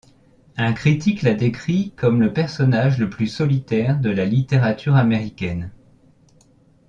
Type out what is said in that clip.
Un critique l'a décrit comme le personnage le plus solitaire de la littérature américaine.